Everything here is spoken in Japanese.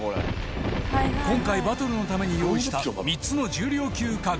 今回バトルのために用意した３つの重量級家具